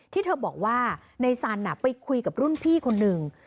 ที่เธอบอกว่าในสันไปคุยกับรุ่นพี่คนหนึ่ง